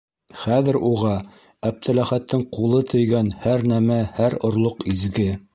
Хәҙер уға Әптеләхәттең ҡулы тейгән һәр нәмә, һәр орлоҡ изге.